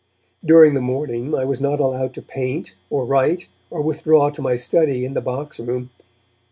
During the morning, I was not allowed to paint, or write, or withdraw to my study in the box room.